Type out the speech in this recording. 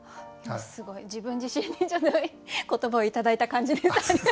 もうすごい自分自身に言葉を頂いた感じです。